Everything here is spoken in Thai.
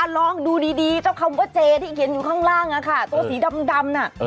อ่ะลองดูดีเจที่เขาเขียนอยู่ข้างล่างนะค่ะตัวสีดำน่ะ